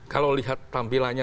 kalau lihat tampilannya